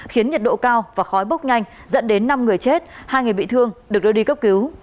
khiến nhiệt độ cao và khói bốc nhanh dẫn đến năm người chết hai người bị thương được đưa đi cấp cứu